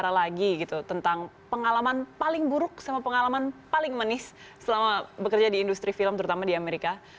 nah kalau misalnya kita bicara lagi gitu tentang pengalaman paling buruk sama pengalaman paling manis selama bekerja di industri film terutama di amerika